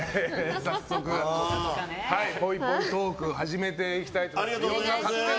早速、ぽいぽいトーク始めていきたいと思います。